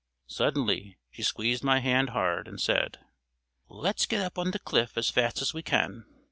Suddenly she squeezed my hand hard, and said: "Let's get up on the cliff as fast as we can."